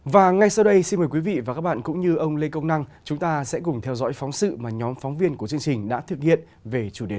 và ngay sau đây xin mời quý vị và các bạn cũng như ông lê công năng chúng ta sẽ cùng theo dõi phóng sự mà nhóm phóng viên của chương trình đã thực hiện về chủ đề này